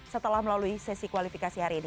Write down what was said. setelah melalui sesi kualifikasi hari ini